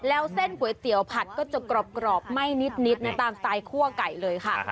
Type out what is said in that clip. แล้วเส้นก๋วยเตี๋ยวผัดก็จะกรอบไหม้นิดนะตามสไตล์คั่วไก่เลยค่ะ